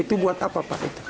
itu buat apa pak